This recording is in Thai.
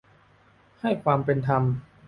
ให้ความเป็นธรรม